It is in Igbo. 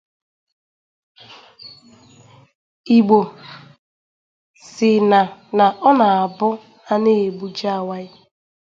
Igbo sị na na ọ na-abụ a na-egbu ji awaị